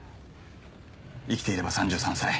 生きていれば３３歳。